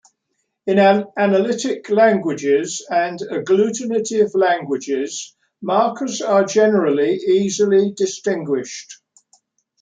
In analytic languages and agglutinative languages, markers are generally easily distinguished.